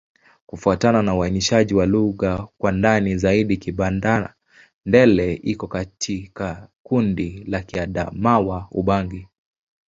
Kufuatana na uainishaji wa lugha kwa ndani zaidi, Kibanda-Ndele iko katika kundi la Kiadamawa-Ubangi.